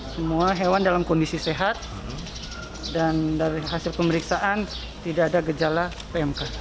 semua hewan dalam kondisi sehat dan dari hasil pemeriksaan tidak ada gejala pmk